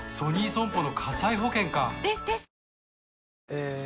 え